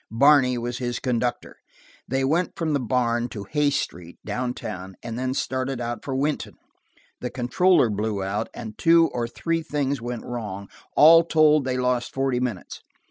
Barney was his conductor. They went from the barn, at Hays Street, down town, and then started out for Wynton. The controller blew out, and two or three things went wrong: all told they lost forty minutes.